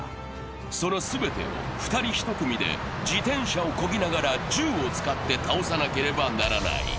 その全てを２人１組で自転車をこぎながら銃を使って倒さなければならない。